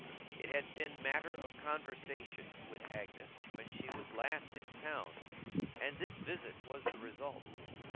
It had been matter of conversation with Agnes when she was last in town, and this visit was the result.